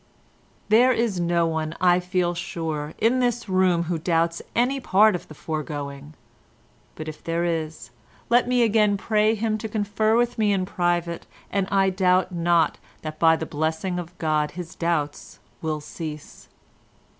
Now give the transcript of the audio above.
"There is no one, I feel sure, in this room who doubts any part of the foregoing, but if there is, let me again pray him to confer with me in private, and I doubt not that by the blessing of God his doubts will cease.